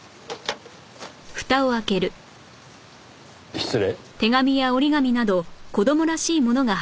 失礼。